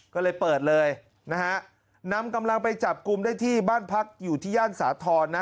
ก็เลยเปิดเลยนะฮะนำกำลังไปจับกลุ่มได้ที่บ้านพักอยู่ที่ย่านสาธรณ์นะ